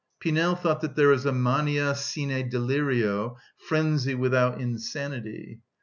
Pinel taught that there is a mania sine delirio, frenzy without insanity.